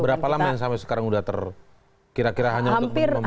berapa lama yang sampai sekarang sudah terkira kira hanya untuk membantu